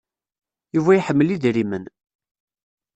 Yuba iḥemmel idrimen.